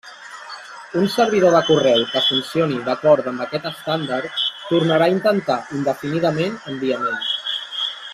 Un servidor de correu que funcioni d'acord amb aquest estàndard tornarà a intentar indefinidament enviament.